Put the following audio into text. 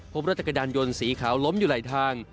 พบรถจักรยานยนต์สีขาวล้มอยู่ไหลทาง